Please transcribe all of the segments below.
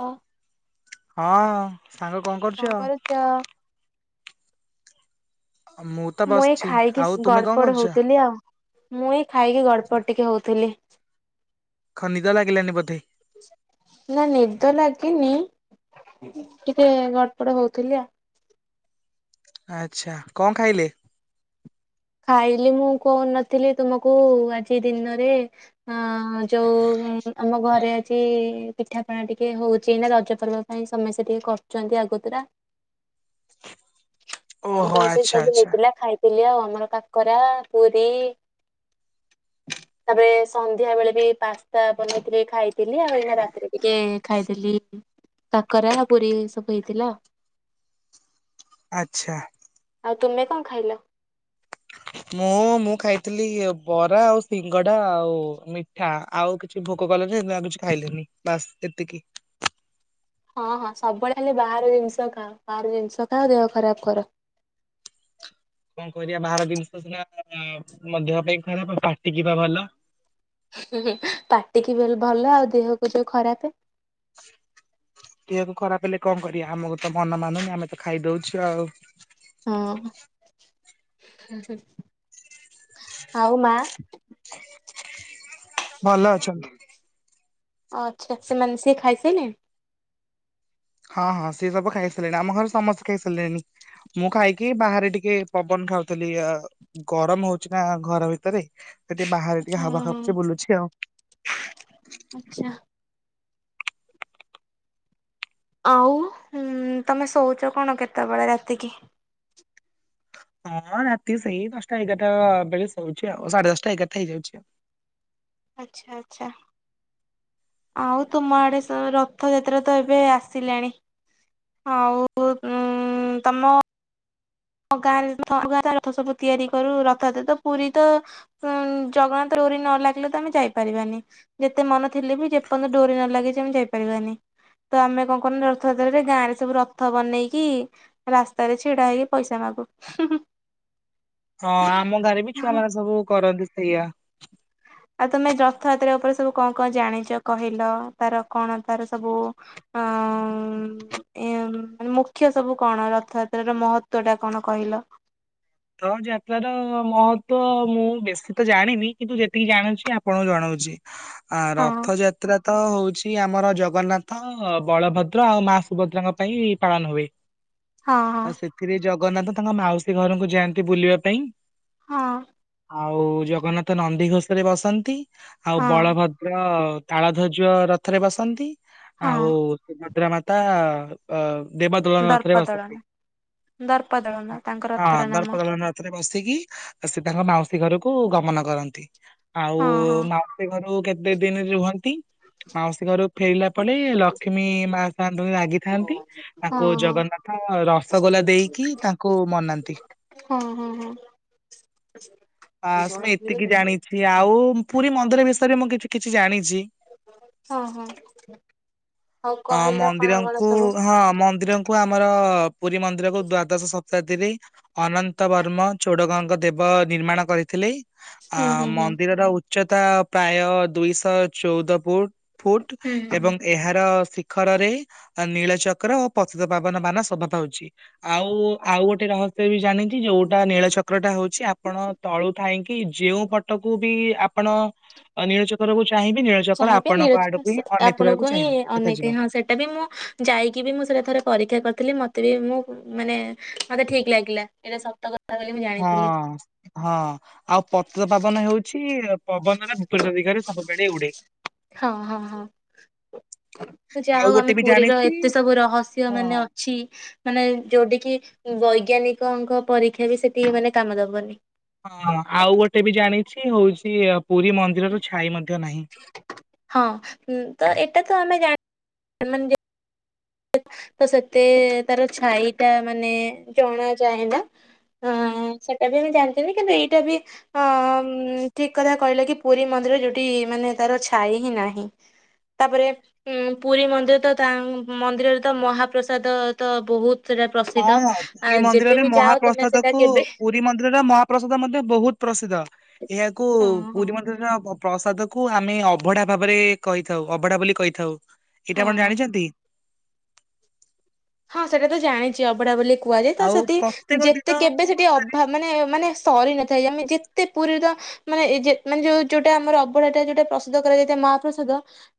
ଅ ହଁ ସାଙ୍ଗ କଣ କରୁଚ? ଚ ମୁଁ ତ ମୁ ଏ ବସିଛି ଖାଇକି ଆଉ ତୁମେ କଣ ଗଡ଼ପଡ କରୁଛ? ହଉଥିଲି ଆଉ। ମୁଁ ଏଇ ଖାଇକି ଗଡ଼ପଡ଼ ଟିକେ ହଉଥିଲି। କଣ ନିଦ ଲାଗିଲାନି ବୋଧେ? ନା ନିଦ ଲାଗିନି। ଟିକେ ଗଡପଡ ହଉଥିଲି ଆଉ। ଆଚଛା କଣ ଖାଇଲେ? ଖାଇଲି ମୁଁ କହୁନଥିଲି ତୁମକୁ ଆଜି ଦିନରେ ହଁ ଯୋଉ ଆମ ଘରେ ଆଜି ପିଠାପଣା ଟିକେ ହଉଚି ନା ରଜ ପର୍ବ ପାଇଁ ସମସ୍ତେ ଟିକେ କରୁଚନ୍ତି ଆଗତୁରା ଓହୋ ତ ସେ ଆଚ୍ଛା ସବୁ ଆଚ୍ଛା। ହେଇଥିଲା ଖାଇଥିଲି ଆଉ ଆମର କାକରା ପୁରୀ। ତାପରେ ସନ୍ଧ୍ୟା ବେଳେ ବି ପାସ୍ତା ବନେଇଥିଲି ଖାଇଥିଲି ଆଉ ଏଇନା ରାତିରେ ଟିକେ ଖାଇଦେଲି କାକରା ପୁରୀ ସବୁ ହେଇଥିଲା। ଆଚ୍ଛା। ଆଉ ତୁମେ କଣ ଖାଇଲ? ମୁଁ ମୁଁ ଖାଇଥିଲି ବରା ଆଉ ସିଙ୍ଗଡା ଆଉ ମିଠ ବା ଆଉ କିଛି ଭୋକ କଲେନି ସେ ଆଉ କିଛି ଖାଇଲେନି ବାସ୍ ଏତିକି ହଁ ହଁ ସବୁବେଳେ ଖାଲି ବାହାର ଜିନିଷ ଖାଅ ବାହାର ଜିନିଷ ଖାଅ ଦେହ ଖରାପ କର କଅ କରିବା ବାହାର ଜିନିଷ ସିନା ଦେହ ପାଇଁ ଖରାପ ପାଟିକିବା ଭଲ ହୁଁ ହୁଁ ହୁଁ ପାଟିକି ଭଲ ଆଉ ଦେହକୁ ଯୋଉ ଖରାପ ଦେହକୁ ଖରାପ ହେଲେ କଅଁ କରିବା ଆମକୁ ତ ମନ ମାନୁନି ଆମେ ତ ଖାଇଦଉଛୁ ଆଉ ହଁ ଆଉ ମା ଭଲ ଅଛନ୍ତି ଓ ଆଚ୍ଛା ସେମାନେ ସେ ଖାଇ ସାରିଲେଣି ହଁ ହଁ ସେ ସବୁ ଖାଇସାରିଲଣି ଆମ ଘରେ ସମସ୍ତେ ଖାଇ ସାରିଲେଣି ମୁଁ ଖାଇକି ବାହାରେ ଟିକେ ପବନ ଖାଉଥିଲି ଗରମ ହଉଛିି ନା ଘର ଭିତରେ ସେ ଟିକେ ବାହାରେ ଟିକେ ହବା ଖାଉୁଚ ବୁଲୁଛି ଆଉ ଆଛା ଆଉ ତମେ ଶଉଛ କଣ କେତେବେଳେ ରାତିକି ହଁ ରାତି ସେଇ ଦଶଟା ଏଗାରଟା ବେଳେ ଶୋଉଛି ଆଉ ସାଢେ ଦଶଟା ଏଗାରଟା ହେଇଯାଉଛି ଆଉ ଆଚ୍ଛା ଆଚ୍ଛା ଆଉ ତୁମ ଆଡେ ରଥଯାତ୍ରା ତ ଏବେ ଆସିଲାଣି ଆଉ ଉ ତମ ଗାରେ ଥଗା ରଥ ସବୁ ତିଆରି କରୁ ରଥରେ ତ ପୁରୀ ତ ଉ ଜଗନ୍ନାଥ ରୌରୀ ନ ଲାଗିଲେ ତ ଆମେ ଯାଇପାରିବାନି ଯେତେ ମନ ଥିଲେ ବି ଯେପର୍ଯ୍ୟନ୍ତ ଡୋରି ନ ଲାଗି ଆମେ ଯାଇପାରିବାନି ତ ଆମେ କଣ କରୁ ରଥଯାତ୍ରରେ ଗାଁ ରେ ସବୁ ରଥ ବନେଇକି ରାସ୍ତାରେ ଛିଡା ହେଇକି ପଇସା ମାଗୁ ହଁ ଆମ ଗାଁରେ ବି ହଁ ଛୁଆମାନୋନ ସବୁ କରନ୍ତି ସେଇଆ ଆଉ ତମେ ରଥଯାତ୍ରା ଉପରେ ସବୁ କଣ କଣ ଜାଣିଛ କହିଲ ତାର କଣ ତାର ସବୁ ହଁ ଉଁ ଏ ମ ମୁଖ୍ୟ ସବୁ କଣ ରଥଯାତ୍ରାର ମହତ୍ଵ ଟା କଣ କହିଲ ରଥ ଯାତ୍ରାର ମହତ୍ଵ ମୁଁ ବେଶୀ ତ ଜାଣିନି କିନ୍ତୁ ଯେତିକି ଜାଣୁଛି ଆପଣଙ୍କୁ ଜଣଉଛି [inaudible] ଆ ରଥଯାତ୍ରା ତ ହଉଛି ଆମର ଜଗନ୍ନାଥ ବଳଭଦ୍ର ଆଉ ମା ସୁଭଦ୍ରାଙ୍କ ପାଇଁ ପାଳନ ହୁଏ। ହଁ ଆଉ ସେଥିରେ ଜଗନ୍ନାଥ ତାଙ୍କ ମାଉସୀ ଘରକୁ ଯାଆନ୍ତି ବୁଲିବା ପାଇଁ। ହଁ। ଆଉ ଜଗନ୍ନାଥ ନନ୍ଦିଘୋଷରେ ବସନ୍ତି ଆଉ ହଁ ବଳଭଦ୍ର ତାଳ ଧ୍ବଜ ରଥରେ ବସନ୍ତି ହଁ। ଆଉ ସୁଭଦ୍ରା ମାତା ଦେବଦଳନ ରଥରେ ଦର୍ପ ବସନ୍ତି ଦଳନ ଦର୍ପ ଦଳନ ତାଙ୍କ ରଥର ହଁ ନାମ ଦର୍ପଦଳନ ରଥରେ ବସିକି ସେ ତାଙ୍କ ମାଉସୀ ଘରକୁ ଗମନ କରନ୍ତି ଆଉ ହଁ ହଁ ମାଉସ କ ଘର କେତେ ଦିନ ରୁହନ୍ତି ମାଉସୀ ଘରୁ ଫେରିଲା ପରେ ଲକ୍ଷ୍ମୀ ମା ସାଆନ୍ତାଣି ରାଗିଥାନ୍ତି ହଁ ତାକୁ ହଁ ଜଗନ୍ନାଥ ରସଗୋଲା ଦେଇକି ତାଙ୍କୁ ମନାନ୍ତି ହଁ ହଁ ହଁ ହଁ ମୁଁ ଏତିକି ଜାଣିଛି ଆଉ ପୁରୀ ମନ୍ଦିର ବିଷୟରେ ମୁଁ କିଛି କିଛି ଜାଣିଛି ହଁ ହଁ ଆଉ ହ କହିଲ କଣ କଣ ମନ୍ଦିରଙ୍କୁ ସବୁ ହଁ ମନ୍ଦିରକ କୁ ଆମର ପୁରୀ ମନ୍ଦିରକୁ ଦ୍ଵାଦଶ ଶତାବ୍ଦୀରେ ଅନନ୍ତ ତ ବର୍ମ ଚୋଡଗଙ୍ଗ ଦେବ ନିର୍ମାଣ କରିଥିଲେ ଆ ହୁଁ ହୁଁ ହୁଁ ମନ୍ଦିରର ଉ ଉଚ୍ଚତା ପ୍ରାୟ ଦୁଇଶହ ଚଉଦ ପୁଟ ଫୁଟ ହୁଁ ହୁଁ ଏବଂ ଏହାର ଶିଖରରେ ନୀଳଚକ୍ର ଓ ପତିତ ପାବନ ମାନ ସ୍ୱଭାବ ପାଉଛି। ଆଉ ଆଉ ଗୋଟେ ରହସ୍ୟ ବି ଜାଣି ଯୋଉଟା ନୀଳଚକ୍ର ଟା ହଉଛି ଆପଣ ତଳୁ ଥାାଇଁକି ଯୋଉ ପଟକୁ ବି ଆପଣ ନୀଳଚକ୍ରକୁ ଚାହିଁବି ନୀଳଚକ୍ରର ଚାହିଁବେ ଆପଣଙ୍କ ନିରଜ ଆଡକୁ ହିଁ ଆପଣଙ୍କୁ ଅନେଇଥିବାକୁ ହିଁ ଚାହିଁବ ଅନେଇଥାଏ ଦେଖାଯିବ ହଁ ସେଟା ବି ମୁଁ ଯାଇକି ବି ମୁଁ ସେଇଟା ଥରେ ପରୀକ୍ଷା କରିଥିଲି ମତେ ବି ମୁଁ ମାନେ ମତେ ଠିକ ଲାଗିଲା। ଏଇଟା ସତ କଥା ବୋଲି ମୁଁ ଜାଣିଥିଲି ହଁ-ହଁ। ଆଉ ପତିତପାବନ ହେଉଛି ପବନରେ ବିପରୀତ ଦିଗରେ ସବୁବେଳେ ଉଡେ। ହଁ ହଁ ହଁ। ଯାହା ଆଉ ହଉ ଗୋଟେ ଆମ ବି ପୁରୀର ଜାଣିଛି ଏତେ ସବୁ ରହସ୍ୟ ହଁ ମାନେ ଅଛି। ମାନେ ଯୋଉଠିକି ବୈଜ୍ଞାନିକଙ୍କ ପରୀକ୍ଷା ବି ସେଠି ମାନେ କାମ ଦବନି। ହଁ ଆଉ ଗୋଟେ ବି ଜାଣିଛି ହଉଛି ପୁରୀ ମନ୍ଦିରର ଛାଇ ମଧ୍ୟ ନାହିଁ। ହଁ ତ ଏଇଟା ତ ଆମେ ଜାଣି ମାନେ ତ ସେତି ତାର ଛାଇ ଟା ମାନେ ଜଣା ଯାଏନା। ହଁ ହଁ ସେଟା ବି ବି ଜାଣିଥିବି କିନ୍ତୁ ଏଇଟା ବି ହଁ ଠିକ୍ କଥା କହିଲେ କି ପୁରୀ ମନ୍ଦିରରେ ଯୋଉଠି ମାନେ ତାର ଛାଇ ହିଁ ନାହିଁ। ତାପରେ ଉଁ ପୁରୀ ମନ୍ଦିର ତ ତା ମନ୍ଦିରରେ ତ ମହାପ୍ରସାଦ ତ ବହୁତ୍ ପ୍ରସିଦ୍ଧ। ଶ୍ରୀ ମନ୍ଦିରରେ ଯାଅ ତମେ ମହାପ୍ରସାଦ ସେଟା କୁ କେବେ ପୁରୀ ମନ୍ଦିରର ମହାପ୍ରସାଦ ମଧ୍ୟ ବହୁତ୍ ପ୍ରସିଦ୍ଧ। ଏହାକୁ ହଁ ହଁ ପୁରୀ ମନ୍ଦିରର ଅ ପ୍ରସାଦ କୁ ଆମେ ଅବଢା ଭାବରେ କହିଥାଉ ଅବଢା ବୋଲି କହିଥାଉ ଏଇଟା ଆପଣ ହଁ। ଜାଣିଛନ୍ତି? ହଁ ସେଟା ତ ଜାଣିଛି ଅଭଢା ବୋଲି କୁହାଯାଏ ତ ଆଉ ସେଠି ପ୍ରତ୍ୟେକ ଦିନ ଯେତେ କେବେ ମୋ ସେଠି ମତରେ ଅଭାବ ମାନେ ମାନେ ସରି ନଥାଏ ଆମେ ଯେତେ ପୁରୀର ମାନେ ଏଯେ ମାନେ ଯୋଉ ଯୋଉଟା ଆମର ଅବଢାଟା ଯୋଉଟା ପ୍ରସାଦ କରାଯାଇଥାଏ ମହାପ୍ରସାଦ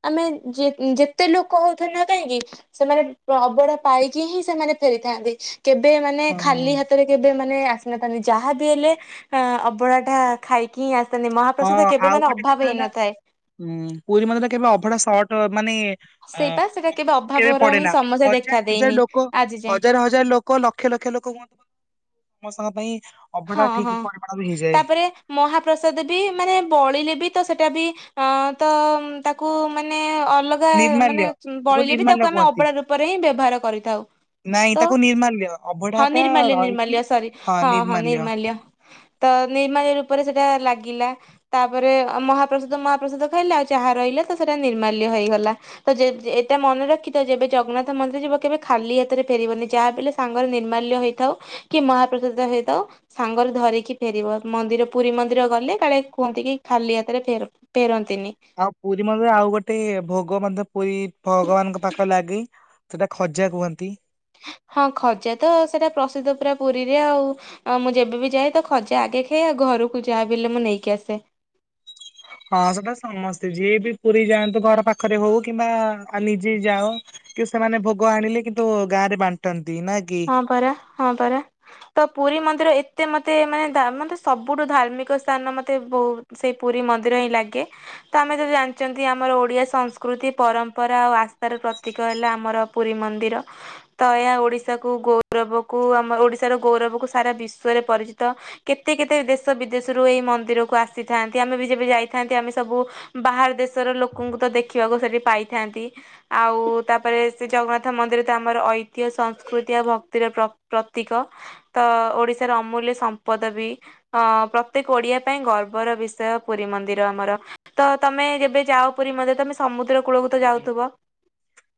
ଆମେ ଯେ ଯେତେ ଲୋକ ହଉଥିନେ କାହିଁକି ସେମାନେ ଅବଢା ପାଇକି ହିଁ ସେମାନେ ଫେରିଥାନ୍ତି କେବେ ମାନେ ହଁ ଖାଲି ହାତରେ କେବେ ମାନେ ମାନେ ଆସିନଥାନ୍ତି ଯାହା ବିି ହେଲେ ଅବଢା ଟା ଖାଇକି ହିଁ ଆସିଥାନ୍ତି ମହାପ୍ରସାଦ ହଁ କେବେ ଆଉ ମାନେ ଗୋଟେ ଅଭାବ କଥା ହେଲା ହେଇନଥାଏ। ହୁଁ ପୁରୀ ମନ୍ଦିରେ କେବେ ଅଭଢା ସଟ୍ ଟ ମାନେ ସେଇପା ସେଟା କେବେ ଅଭାବର ହିଁ ପଡେନା ସମସ୍ୟା ହଜାର ଦେଖା ଦେଇନି ହଜାର ଲୋକ ଆଜି ଯାଏଁ ହଜାର ହ ହଜାରେ ଲୋକ ଲକ୍ଷ ଲକ୍ଷ ଲୋକ ହୁଅନ୍ତୁ ସମସ୍ତଙ୍କ ପାଇଁ ଅଭଢା ହଁ ଠିକ ହଁ ପରିମାଣରେ ହେଇଯାଏ ତାପରେ ମହାପ୍ରସାଦ ବି ମାନେ ବଳିଲେ ବି ତ ସେଟା ବି ଅଁ ତ ତାକୁ ମାନେ ଅଲ ଗା ମାନେ ନିର୍ମାଲ୍ୟ। ବଳିଲେ ବି ନିର୍ମାଲ୍ୟ ତାକୁ ଆମେ କୁହନ୍ତି ଅବଡା ରୂପରେ ହିଁ ବ୍ୟବହାର କରିଥାଉ। ନାଇଁ ତ ତାକୁ ନିର୍ମାଲ୍ୟ ଅଭଢା ହଁ ଟା ନିର୍ମାଲ୍ୟ ରହିକି ନିର୍ମାଲ୍ୟ ସରି ହଁ ହଁ ନିର୍ମାଲ୍ୟ। ଲ୍ୟ ତ ନିର୍ମାଲ୍ୟ ରୂପରେ ସେଟା ଲାଗିଲା। ତାପରେ ମହାପ୍ରସାଦ ମହାପ୍ରସାଦ ଖାଇଲେ ଆଉ ଜାହା ରହିଲେ ତ ସେଟା ନିର୍ମାଲ୍ୟ ହେଇଗଲା। ତ ଯେ ଏଟା ମନେ ରଖିଥା ଯେବେ ଜଗନ୍ନାଥ ମନ୍ଦିର ଯିବ କେବେ ଖାଲି ହାତରେ ଫେରିବନି ଯାହାବି ହେଲେ ସାଙ୍ଗରେ ନିର୍ମାଲ୍ୟ ହେଇଥାଉ କି ମହାପ୍ରସାଦ ହେ ତ ସାଙ୍ଗରେ ଧରିକି ଫେରିବ ମନ୍ଦିର ପୁରୀ ମନ୍ଦିର ଗଲେ କାଳେ କୁହନ୍ତି କି ଖାଲି ହାତରେ ଫେର ପେରନ୍ତିନି। ଆଉ ପୁରୀ ମନ୍ଦିରରେ ଆଉ ଗୋଟେ ଭୋଗ ମଧ୍ୟ ପୁରୀ ଭଗବାନଙ୍କ ପାଖେ ଲାଗେ। ସେଟା ଖଜା କୁହନ୍ତି। ହଁ ଖଜା ତ ସେଟା ପ୍ରସିଦ୍ଧ ପୁରା ପୁରୀରେ ଆଉ। ଆ ମୁଁ ଯେବେ ବିି ଯାଏ ତ ଖଜା ଆଗେ ଖାଏ ଆଉ ଘରକୁ ଯାହା ବି ହେଲେ ମୁଁ ନେଇକି ଆସେ। ହଁ ସେଟା ସମସ୍ତେ ଯିଏ ବି ପୁରୀ ଯାଆନ୍ତୁ ଘର ପାଖରେ ହଉ କିମ୍ବା ଆ ନିଜେ ଯାଅ କି ସେମାନେ ଭୋଗ ଆଣିଲେ କିନ୍ତୁ ଗାଁ ରେ ବାଣ୍ଟନ୍ତି ନା କି? ହଁ ପରା ହଁ ପରା। ତ ପୁରୀ ମନ୍ଦିର ଏତେ ମତେ ମାନେ ଧା ମତେ ସବୁଠୁ ଧାର୍ମିକ ସ୍ଥାନ ମତେ ବହୁତ୍ ସେଇ ପୁରୀ ମନ୍ଦିର ହିଁ ଲାଗେ। ତ ଆମେ ଯଦି ଜାଣିଚନ୍ତି ଆମର ଓଡିଆ ସଂସ୍କୃତି ପରମ୍ପରା ଆଉ ଆସ୍ଥାର ପ୍ରତୀକ ହେଲା ଆମର ପୁରୀ ମନ୍ଦିର ତ ଏୟା ଓଡ଼ି ଶା କୁ ଗୌରବ କୁ ଆମ ଓଡିଶାର ଗୌରବ କୁ ସାରା ବିଶ୍ୱରେ ପରିଚିତ। କେତେ କେତେ ଦେଶ ବିଦେଶରୁ ଏଇ ମନ୍ଦିରକୁ ଆସିଥାନ୍ତି ଆମେ ବି ଯେବେ ଯାଇଥାନ୍ତି ଆମେ ସବୁ ବାହାର ଦେଶର ଲୋକୋଙ୍କୁ ତ ଦେଖିବାକୁ ସେଠି ପାଇଥାନ୍ତି। ଆଉ ତାପରେ ସେ ଜଗନ୍ନାଥ ମନ୍ଦିର ତ ଆମର ଐତିହ୍ୟ [unintelligible] କୃତ୍ତି ପ୍ରକୃତି ଆଉ ଭକ୍ତିର ପ୍ର ପ୍ରତୀକ ତ ଓଡିଶାର ଅମୂଲ୍ୟ ସମ୍ପଦ ବି। ଅଁ ପ୍ରତ୍ୟେକ ଓଡିଆ ପାଇଁ ଗର୍ବର ବିଷୟ ପୁରୀ ମନ୍ଦିର ଆମର। ତ ତମେ ଯେବେ ଯାଅ ପୁରୀ ମନ୍ଦିର ତମେ ସମୁଦ୍ର କୂଳକୁ ତ ଯାଉଥୁବ?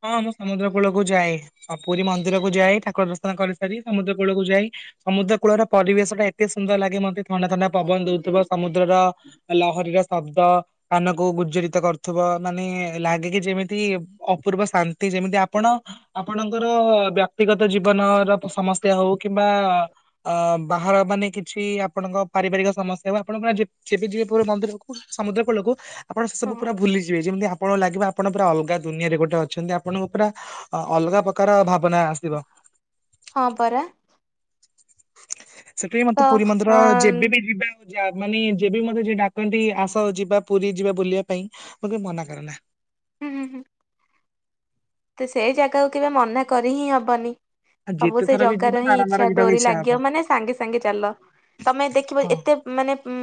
ହଁ ମୁଁ ସମୁଦ୍ର କୂଳକୁ ଯାଏ। ଆଉ ପୁରୀ ମନ୍ଦିର କୁ ଯାଏ ଠାକୁର ଦର୍ଶନ କରିସାରି ସମୁଦ୍ର କୂଳକୁ ଯାଇ। ସମୁଦ୍ର କୂଳର ପରିବେଶ ଟା ଏତେ ସୁନ୍ଦର ଲାଗେ ମତେ ଥଣ୍ଡା ଥଣ୍ଡା ପବନ ଦୋଉଥୁବ ସମୁଦ୍ରର ଲହରୀର ଶବ୍ଦ। କାନକୁ ଗୁଜ୍ଜରିତ କରୁଥୁବ ମାନେ ଲାଗେ କି ଯେମିତି ଅ ପୂର୍ବ ଶାନ୍ତି ଯେମିତି ଆପଣ ଆପଣଙ୍କର ବ୍ୟକ୍ତିଗତ ଜୀବନର ସମସ୍ୟା ହୋଉ କିମ୍ବା ଅ ବାହାର ମାନେ କିଛି ଆପଣଙ୍କ ପାରିବାରିକ ସମସ୍ୟା ବା ଆପଣଙ୍କ ଯେ ଯେବେ ଯିବେ ପୁର ମନ୍ଦିରକୁ ସମୁଦ୍ର କୂଳକୁ ଆପଣ ସେସବୁ ପୁରା ଭୁଲିିଯିବେ ଯେମିତି ଆପଣ ଲାଗିବ ଆପଣ ପୁରା ଅଲଗା ଦୁନିଆ ରେ ଗୋ ଟେ ଅଛନ୍ତି ଆପଣଙ୍କୁ ପୁରା ଅଲଗା ପକାର ଭାବନା ଆସିବ। ହଁ ପରା। [unintelligible] ତ ମତେ ପୁରୀ ମନ୍ଦିର ଅ ଯେବେ ବି ଯିବା ଯ ମାନେ ଯେବେବି ମତେ ଯେ ଡାକନ୍ତି ଆସ ଯିବା ପୁରୀ ଯିବା ବୁଲିବା ପାଇଁ ମୁଁ କେବେ ମନା କରେନା। ହୁଁ ହୁଁ ହୁଁ। ତ ସେଇ ଜାଗାକୁ କେବେ ମନା କରି ହିଁ ହବନି। ଆଉ ସବୁ ଯେତେ ସେଇ ଥର ବି ଜଗାର ଯିବା ହିଁ ବାରମ୍ବାର ଇଚ୍ଛା ଯିବାକୁ ଡୋରି ଇଚ୍ଛା ହବ ଲାଗିବ ମାନେ ସାଙ୍ଗେ ସାଙ୍ଗେ ଚାଲ। ତମେ ଦେଖିବ ହଁ ଏତେ ମାନେ ଉଁ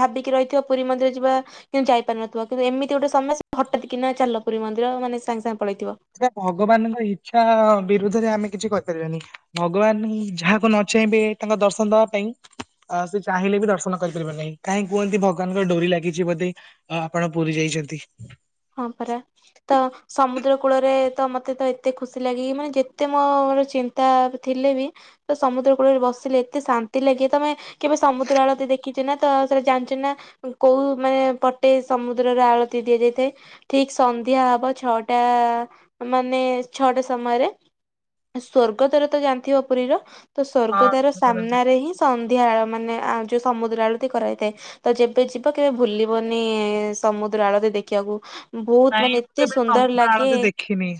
ଭାବିକି ରହିଥିବ ପୁରୀ ମନ୍ଦିର ଯିବା କିନ୍ତୁ ଯାଇପାରୁିନଥୁବ କିନ୍ତୁ ଏମିତି ଗୋଟେ ସମୟ [unintelligible] ହଠାତ୍ କିନା ଚାଲ ପୁରୀ ମନ୍ଦିର ମାନେ ସାଙ୍ଗେ ସାଙ୍ଗେ ପଳେଇଥିବ। [unintelligible] ଭଗବାନଙ୍କ ଇଚ୍ଛା ବିରୁଦ୍ଧରେ ଆମେ କିଛି କହିପାରିବାନି। ଭଗବାନ ହିଁ ଯାହାକୁ ନ ଚାହିଁବେ ତାଙ୍କ ଦର୍ଶନ ଦବା ପାଇଁ ଆ ସେ ଚାହିଁଲେ ବି ଦର୍ଶନ କରିପାରିବ ନାହିଁ କାହିଁକି କୁହନ୍ତି ଭଗବାନଙ୍କର ଡୋରି ଲାଗିଚି ବୋଧେ ଆଉ ଆପଣ ପୁରୀ ଯାଇଚନ୍ତି? ହଁ ପରା ତ ସମୁଦ୍ର କୂଳରେ ତ ମତେ ତ ଏତେ ଖୁସି ଲାଗେ ମାନେ ଯେତେ ମୋର ଚିନ୍ତା ଥିଲେ ବି ତ ସମୁଦ୍ର କୂଳରେ ବସିଲେ ଏତେ ଶାନ୍ତି ଲାଗେ ତମେ କେବେ ସମୁଦ୍ର ଆଳତି ଦେଖିଚେ ନା ତ ସେରା ଜାଣିଚେ ନା କୋଉ ମାନେ ପଟେ ସମୁଦ୍ରରେ ଆଳତି ଦିଆଯାଇଥାଏ। ଠିକ ସନ୍ଧ୍ୟା ହବ ଛଅଟା ମାନେ ଛଅଟା ସମୟରେ ସ୍ୱର୍ଗଦ୍ୱାର ତ ଜାଣିଥିବ ପୁରୀର ତ ସ୍ୱର୍ଗଦ୍ୱାର ହଁ ସାମ୍ନାରେ ହିଁ ସନ୍ଧ୍ୟା ଆଳ ମାନେ ଆଉ ଯୋଉ ସମୁଦ୍ର ଆଳତି କରା ହେଇଥାଏ। ତ ଯେବେ ଯିବ କେବେ ଭୁଲିବନି ସମୁଦ୍ର ଆଳତି ଦେଖିବାକୁ। ବୋହୁତ ନାଇଁ ମାନେ ମୁଁ ଏତେ କେବେ ସୁନ୍ଦର ସମୁଦ୍ର ଲାଗେ ଆଳତି ଦେଖିନି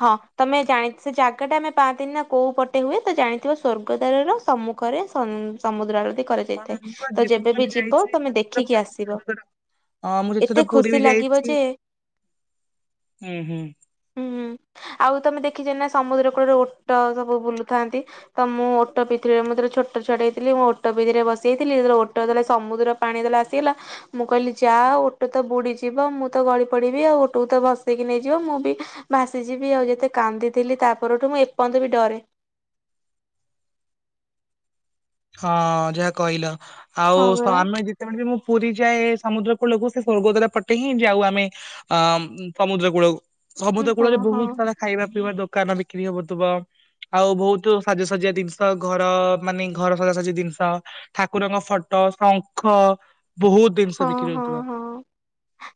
ହଁ ତମେ ଜାଣି ସେ ଜାଗାଟା ଆମେ ପାନ୍ତିନି ନା କୋଉ ପଟେ ହୁଏ ତ ଜାଣିଥିବ ସ୍ୱର୍ଗଦ୍ୱାର ର ସମ୍ମୁ କରେ [unintelligible] ସମୁଦ୍ର ଆଳତି କଣ କରାଯାଇଥାଏ ମୁଁ ତ ଯେବେ ଯେତେଥର ବି ବିି ଯିବ ଯାଇଛି ତମେ ସମୁଦ୍ର ଦେଖିକି କୂଳ ମୁଁ ଆସିବ। ସର୍ବଦା ହଁ ମୁଁ ଏତେ [unintelligible] ପୁରୀ ଖୁସି ବି ଲାଗିବ ଯାଇଛି ଯେ ଉଁହୁଁ। ହୁଁ ଆଉ ତମେ ଦେଖିଚ ନା ସମୁଦ୍ର କୁଳରେ ଓଟ ସବୁ ବୁଲୁଥାନ୍ତି। ତ ମୁଁ ଓଟ ପିିଠିରେ ମୁଁ [unintelligible] ଛୋ ଟୋ ଛୁଆଟେ ହେଇଥିଲି ମୁଁ ଓଟ [unintelligible] ରେ ବସିଇଥିଲି [unintelligible] ଓଟୋ [unintelligible] ସମୁଦ୍ର ପାଣି [unintelligible] ଆସିଗଲା। ମୁଁ କହିଲି ଯା ଓଟ ତ ବୁଡିଯିବ ମୁଁ ତ ଗଳି ପଡିବି ଆଉ ଓଟକୁ ତ ଭସେଇକି ନେଇଯିବ ମୁଁ ବି ଭାସିଯିବି ଆଉ ଯେତେ କାନ୍ଦିଥିଲି ତାପରଠୁ ମୁଁ ଏପର୍ଯ୍ୟନ୍ତ ବି ଡରେ। ହଁ ଯାହା କହିଲ ଆଉ ହଁ ସ ପରା ଆମେ ଯେ ଳେ ବି ମୁଁ ପୁରୀ ଯାଏ ସମୁଦ୍ର କୂଳକୁ ସେ ସ୍ୱର୍ଗଦ୍ୱାରା ପଟେ ହିଁ ଯାଉ ଆମେ। ଆ ସମୁଦ୍ର କୂଳକୁ ହଁ ସମୁଦ୍ର ହଁ କୂଳରେ ବହୁତ ହଁ ସାରା ଖାଇବା ପିଇବା ଦୋକାନ ବିକ୍ରି ହବଥିବ ଆଉ ବହୁତ ସାଜସଜଆ ଜିନିଷ ଘର ମାନେ ଘର ସଜାସଜି ଜିନିଷ, ଠାକୁରଙ୍କ ଫଟୋ ଶଙ୍ଖ ବହୁତ ଜିନିଷ ବିକ୍ରି ହଁ ହଉଥିବ। ହଁ।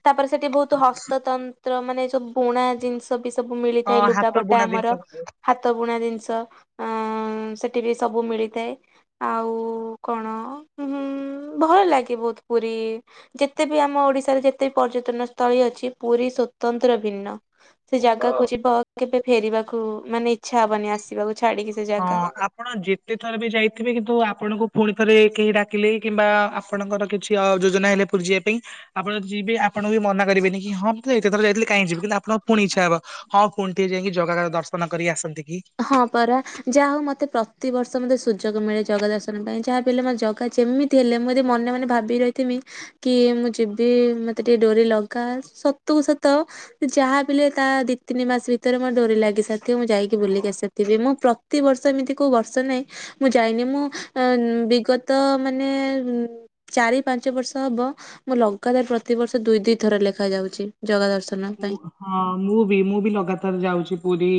ତାପରେ ସେଠି ବହୁତ ହସ୍ତତନ୍ତ୍ର ମାନେ ଯୋଉ ବୁଣା ଜିନିଷ ବି ସବୁ ହଁ ମିଳିଥାଏ ହାତ ଲୁଗାପଟା ବୁଣା ଜିନିଷ ଆମର। ସବୁ। ହାତ ବୁଣା ଜିନିଷ ଅ ସେଠି ବି ସବୁ ମିଳିଥାଏ। ଆଉ କଣ ଭଲ ଲାଗେ ବହୁତ ପୁରୀ ଯେତେ ବି ଆମ ଓଡିଶାରେ ଯେତେ ବି ପର୍ଯ୍ୟଟନ ସ୍ଥଳୀ ଅଛି ପୁରୀ ସ୍ଵତନ୍ତ୍ର ଭିନ୍ନ। ସେ ଜାଗାକୁ ଯିବ କେବେ ଫେରିବାକୁ ମାନେ ଇଚ୍ଛା ହବନି ଆସିବାକୁ ଛାଡିକି। ସେ ହଁ ଜାଗା। ଆପଣ ଯେତେ ଥରେ ବି ଯାଇଥିବେ କିନ୍ତୁ ଆପଣଙ୍କୁ ପୁଣି ଥରେ କେହି ଡାକିଲେ କିମ୍ବା ଆପଣଙ୍କର କିଛି ଯୋଜନା ହେଲେ ପୁର ଯିବା ପାଇଁ ଆପଣ ଯିବେ ଆପଣ ବି ମନା କରିବେନି କି ହଁ ଏତେ ଥର ଯାଇଥିଲି କାହିଁ ଯିବି କିନ୍ତ ଆପଣଙ୍କ ପୁଣି ଇଚ୍ଛା ହେବ ହଁ। ପୁଣି ଟିକଏ ଯାଇକି ଜଗା ଦର୍ଶନ କରି ଆସନ୍ତି କି? ହଁ ପରା ଯାହା ହଉ ମତେ ପ୍ରତିବର୍ଷ ମତେ ସୁଯୋଗ ମିଳେ ଜଗା ଦର୍ଶନ ପାଇଁ ଯାହାବି ହେଲେ ମ ଜଗା ଯେମିତି ତି ହେଲେ ମୁଁ ଯି ମନେ ମନ ଭି ରହିଥିମି କି ମୁଁ ଯିବି ମତେ ଟିକେ ଡୋରି ଲଗା ସତକୁ ସତ ଯାହା ବି ହେଲେ ତା ଦି ତିନି ମାସ ଭିତରେ ମୋ ଡୋରି ଲାଗି ସାରିଥିବ ମୁଁ ଯାଇକି ବୁଲିକି ଆସିବି। ମୁଁ ପ୍ରତିିବର୍ଷ ଏମିତି କୋଉ ବର୍ଷ ନାହିଁ ମୁଁ ଯାଇନି ମୁଁ ଅ ବିଗତ ମାନେ ଚାରି ପାଞ୍ଚ ବର୍ଷ ହବ ମୁଁ ଲଗାତାର ପ୍ରତିିବର୍ଷ ଦୁଇ ଦୁଇ ଥର ଲେଖା ଯାଉଚି ଜଗାଦର୍ଶ ନ ମୁଁ ପାଇଁ। ହଁ ମୁଁ ବି ମୁଁ ବି ଲଗାତାର ଯାଉଚି ପୁରୀ।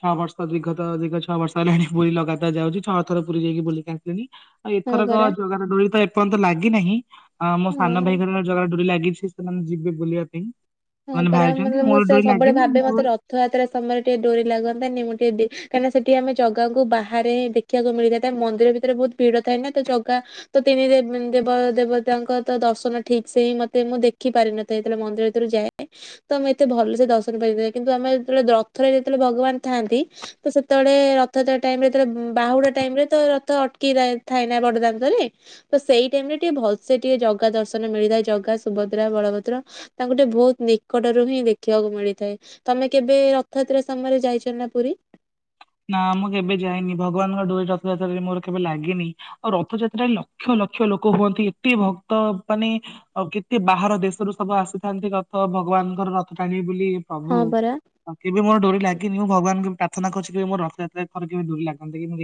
ଛଅ ବର୍ଷ ବିଗତ, ଦୀର୍ଘ ଛଅ ବର୍ଷ ହେଲାଣି ପୁରୀ ଲଗାତାର ଯାଉଚି। ଛଅ ଥର ପୁରୀ ଯାଇ କି ବୁଲିକି ଆସିଲିଣି। ହଁ ଏଥରକ ପରା ଜଗା ଡୋରି ତ ଏପର୍ଯ୍ୟନ୍ତ ଲାଗି ନାହିଁ, ଅ ମୋ ସାନ ହଁ ଭାଇ ଘର ଜଗା ଡୋରି ଲାଗିଚି। ସେମାନେ ଯିବେ ବୁଲିବା ପାଇଁ। ହଁ ସେମାନେ ପରା ବାହାରିଛନ୍ତି ମାନେ ମୁଁ ମୋର ସେ ଡୋରି ସବୁବେଳେ ଲାଗିନି ଭାବେ ମୋର ମତେ ର ଥଯାତ୍ରା ସମୟରେ ଟିକେ ଡୋରି ଲାଗନ୍ତା ନି ମୁଁ ଟିକେ ଯି କାରଣ ସେଠି ଆମେ ଜଗାକୁ ବାହାରେ ଦେଖ ଇବାକୁ ମିଳିଥାଏ ତା ମନ୍ଦିର ଭିତରେ ବହୁତ ଭିଡ ଥାଏ ନା ତ ଜଗା ତ ତିନି ଦେ ଦେବ ଦେବତାଙ୍କ ତ ଦର୍ଶନ ଠିକ ସେ ହିଁ ମତେ ମୁଁ ଦେଖି ପାରିିନଥାଏ ସେତେଳେ ମନ୍ଦିରରୁ ଯାଏ। ଏ ତ ଆମେ ଏତେ ଭଲସେ ଦର୍ଶନ ପାଇ ପାରି ନ କିନ୍ତୁ ଆମେ ଯେତେବେଳେ ରଥ ରେ ଯେତେବେଳେ ଭଗବାନ ଥାଆନ୍ତି ତ ସେତେବେଳେ ରଥଯାତ୍ରା ଟାଇମରେ ଯେତେବେଳେ ବାହୁଡା ଟାଇମ ରେ ତ ରଥ ଅଟକି ଥାଇ ନା ବଡଦାଣ୍ଡରେ ତ ସେଇ ଟାଇମରେ ଟିକେ ଭଲସେ ଟିକେ ଜାଗା ଦର୍ଶନ ମିଳିଥାଏ ଜଗା ସୁଭଦ୍ରା ବଳଭଦ୍ର। ତାଙ୍କୁ ଟିକେ ବହୁତ ନିକଟରୁ ହିଁ ଦେଖିବାକୁ ମିଳିଥାଏ। ତମେ କେବେ ରଥଯାତ୍ରା ସମୟରେ ଯାଇଚ ନା ପୁରୀ? ନା ମୁଁ କେବେ ଯାଇନି ଭଗବାନଙ୍କ ଡୋରି ରଥଯାତ୍ରାରେ ମୋର କେବେ ଲାଗିନି। ଆଉ ରଥଯାତ୍ରାରେ ଲକ୍ଷ ଲକ୍ଷ ଲୋକ ହୁଅନ୍ତି ଏତେ ଭକ୍ତ ମାନେ ଆଉ କେତେ ବାହାର ଦେଶରୁ ସବୁ ଆସିଥାନ୍ତି ରଥ ଭଗବାନଙ୍କର ରଥ ଟାଣିବେ ବୋଲି ହଁ ପ୍ରଭୁ ପରା ଆଉ କେବେ ମୋର ଡୋରି ଲାଗିନି ମୁଁ ଭଗବାନଙ୍କୁ ପ୍ରାର୍ଥନା କରୁ ଯେ ମୋର ରଥଯାତ୍ରାରେ ଥରେ କେବେ ଡୋରି ଲାଗନ୍ତା କି ମୁ ଯା